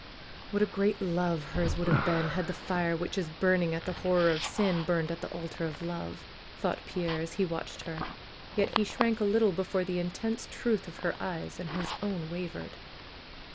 ^'What a great love hers would have been had the fire which is burning at the horror of sin burned at the altar of love I" thought Pierre, as he watched her. Yet he shrank a little before the intense truth of her eyes, and his own wavered.